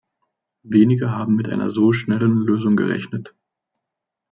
Wenige haben mit einer so schnellen Lösung gerechnet.